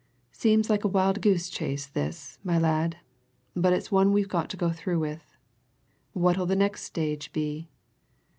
"Seems like a wild goose chase this, my lad, but it's one we've got to go through with! What'll the next stage be?"